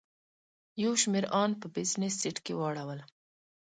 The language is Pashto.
یو شمېر ان په بزنس سیټ کې واړول.